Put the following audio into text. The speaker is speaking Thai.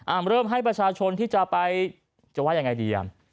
อ่ามเริ่มให้ประชาชนที่จะไปจะว่าอย่างไรดี